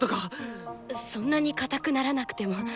そんなに硬くならなくても。